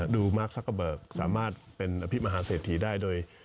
มาร์คซักเกอร์เบิกสามารถเป็นอภิมหาเศรษฐีได้โดย